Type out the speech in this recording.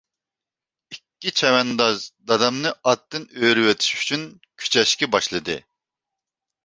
ئىككى چەۋەنداز دادامنى ئاتتىن ئۆرۈۋېتىش ئۈچۈن كۈچەشكە باشلىدى.